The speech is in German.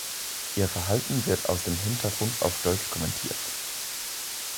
Ihr Verhalten wird aus dem Hintergrund auf Deutsch kommentiert.